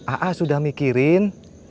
a a sudah mikirin